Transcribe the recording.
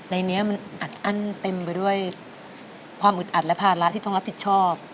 ในนี้มันอัดอั้นเต็มไปด้วยความอึดอัดและภาระที่ต้องรับผิดชอบ